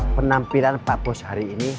penampilan papus hari ini